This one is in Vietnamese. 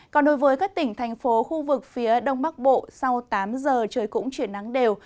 còn đối với các tỉnh thành phố khu vực phía đông bắc bộ sau tám giờ trời cũng chuyển nắng đều